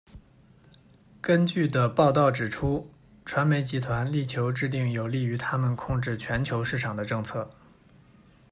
根据《》的报道指出，“传媒集团力求制定有利于它们控制全球市场的政策”。